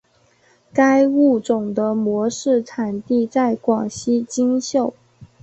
该物种的模式产地在广西金秀。